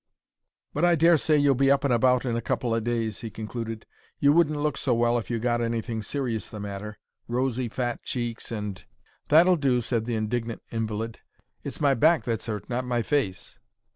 "But I dare say you'll be up and about in a couple o' days," he concluded. "You wouldn't look so well if you'd got anything serious the matter; rosy, fat cheeks and——" "That'll do," said the indignant invalid. "It's my back that's hurt, not my face."